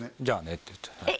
「じゃあね」って